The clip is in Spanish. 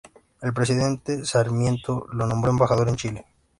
El presidente Sarmiento lo nombró embajador en Chile.